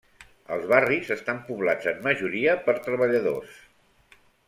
Els barris estan poblats en majoria per treballadors.